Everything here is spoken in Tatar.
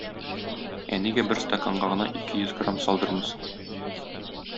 Ә нигә бер стаканга гына ике йөз грамм салдырмыйсың?